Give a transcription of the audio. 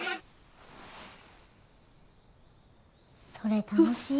・それ楽しい？